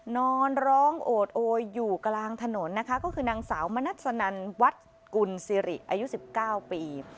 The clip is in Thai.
นอนร้องโอดโอยอยู่กลางถนนนะคะก็คือนางสาวมณัสนันวัดกุลสิริอายุ๑๙ปี